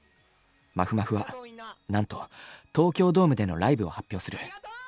まふまふはなんと東京ドームでのライブを発表する。